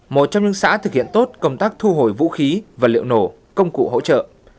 một trong những xã thực hiện tốt công tác thu hồi vũ khí và liệu nổ công cụ hỗ trợ